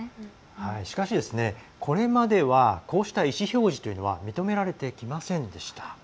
しかし、これまではこうした意思表示というのは認められてきませんでした。